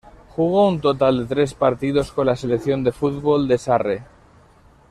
Jugó un total de tres partidos con la selección de fútbol de Sarre.